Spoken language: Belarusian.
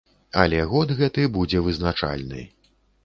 Але год гэты будзе вызначальны.